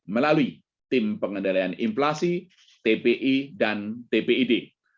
melalui tim pengendalian inflasi tpi dan tpid